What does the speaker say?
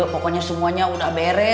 pokoknya semuanya udah beres